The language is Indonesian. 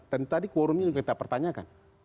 dan tadi quorumnya kita pertanyakan